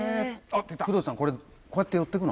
不動さんこれこうやって寄っていくの？